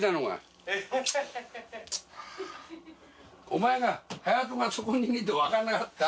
お前がハヤトがそこにいて分かんなかった。